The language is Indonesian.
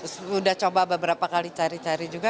sudah coba beberapa kali cari cari juga